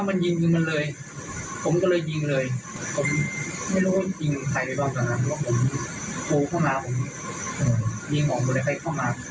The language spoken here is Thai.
มีวิธีแล้วแต่๘นัก